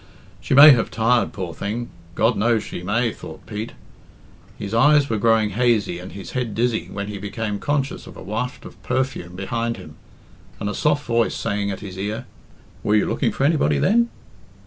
"She may have tired, poor thing; God knows she may," thought Pete. His eyes were growing hazy and his head dizzy, when he became conscious of a waft of perfume behind him, and a soft voice saying at his ear, "Were you looking for anybody, then?"